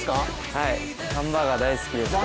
はい、ハンバーガー、大好きです。